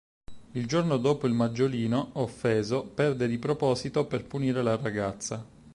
Il giorno dopo il maggiolino, offeso, perde di proposito, per punire la ragazza.